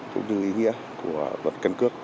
cũng như ý nghĩa của luật căn cước